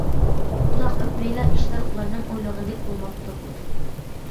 ئۇزاق ئۆتمەيلا، ئىشلار ئۇلارنىڭ ئويلىغىنىدەك بولماپتۇ.